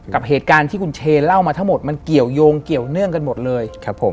กับเหตุการณ์ที่คุณเชนเล่ามาทั้งหมดมันเกี่ยวยงเกี่ยวเนื่องกันหมดเลยครับผม